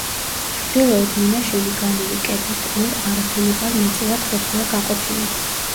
ჩრდილოეთ მინაშენი განივი კედლით ორ არათანაბარ ნაწილად ყოფილა გაყოფილი.